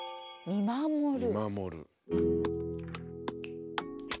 見守る。